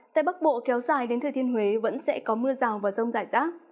tây bắc bộ kéo dài đến thừa thiên huế vẫn sẽ có mưa rào và rông rải rác